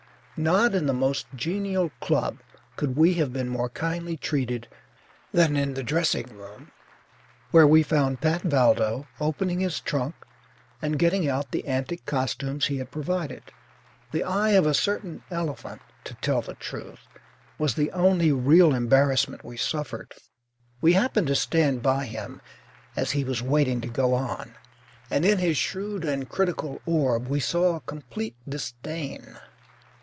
Not in the most genial club could we have been more kindly treated than in the dressing room where we found Pat Valdo opening his trunk and getting out the antic costumes he had provided. (The eye of a certain elephant, to tell the truth, was the only real embarrassment we suffered. We happened to stand by him as he was waiting to go on, and in his shrewd and critical orb we saw a complete disdain.